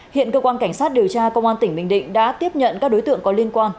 hiện cơ quan cảnh sát điều tra công an tỉnh bình định đã tiếp nhận các đối tượng có liên quan